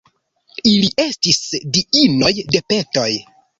Ili estis diinoj de petoj.